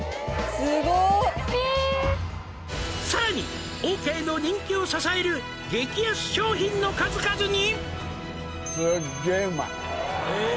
へえ「さらにオーケーの人気を支える激安商品の数々に」